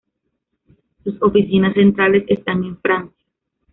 Sus oficinas centrales están en Francia.